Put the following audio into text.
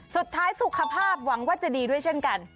สุดท้ายสุขภาพหวังว่าจะดีด้วยเช่นกัน